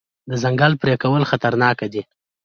د ځنګل پرې کول خطرناک دي.